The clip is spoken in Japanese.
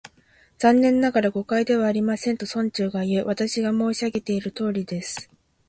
「残念ながら、誤解ではありません」と、村長がいう。「私が申し上げているとおりです」